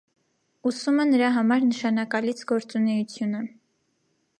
Ուսումը նրա համար նշանակալից գործունեություն է։